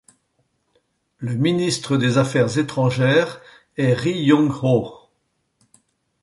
Le ministre des Affaires étrangères est Ri Yong Ho.